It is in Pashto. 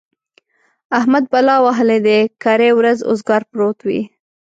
احمد بلا وهلی دی؛ کرۍ ورځ اوزګار پروت وي.